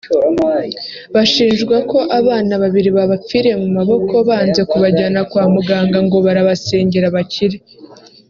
bashinjwa ko abana babiri babapfiriye mu maboko banze kubajyana kwa muganga ngo barabasengera bakire